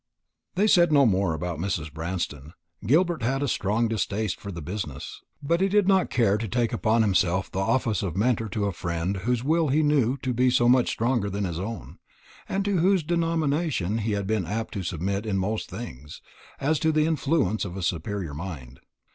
They said no more about Mrs. Branston. Gilbert had a strong distaste for the business; but he did not care to take upon himself the office of mentor to a friend whose will he knew to be much stronger than his own, and to whose domination he had been apt to submit in most things, as to the influence of a superior mind.